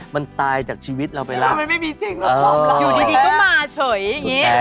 มันตายจากชีวิตเราไปละ